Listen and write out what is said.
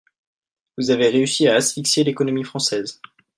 Vous avez réussi à asphyxier l’économie française.